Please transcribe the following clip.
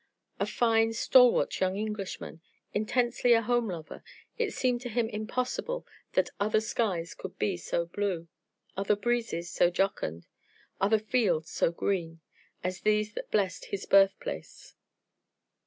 A fine, stalwart young Englishman, intensely a home lover, it seemed to him impossible that other skies could be so blue, other breezes so jocund, other fields so green, as these that blessed his birthplace.